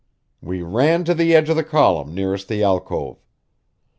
We ran to the edge of the column nearest the alcove.